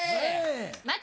待て！